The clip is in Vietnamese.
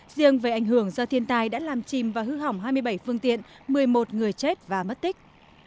riêng về ảnh hưởng do thiên tai đã làm chìm và hư hỏng hai mươi bảy phương tiện một mươi một người chết và mất tích